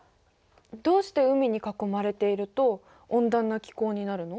どうして海に囲まれていると温暖な気候になるの？